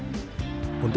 untuk pemain yang tertinggi